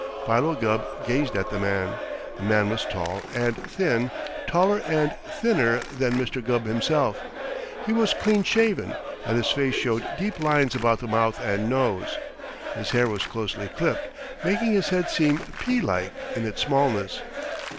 Philo Gubb gazed at the man. The man was tall and thin, taller and thinner than Mr. Gubb himself. He was clean shaven and his face showed deep lines about the mouth and nose. His hair was closely clipped, making his head seem pea like in its smallness.